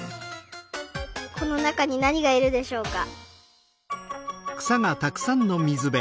このなかになにがいるでしょうか？